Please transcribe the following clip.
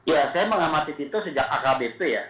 ya saya mengamati tito sejak akbp ya